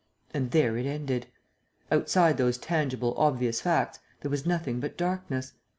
And there it ended. Outside those tangible, obvious facts there was nothing but darkness.